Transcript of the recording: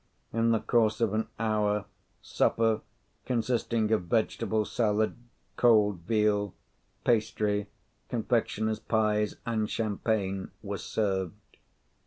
In the course of an hour, supper, consisting of vegetable salad, cold veal, pastry, confectioner's pies, and champagne, was served.